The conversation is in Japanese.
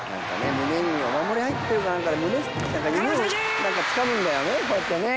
胸にお守り入ってるかなんかで胸なんか胸をつかむんだよねこうやってね。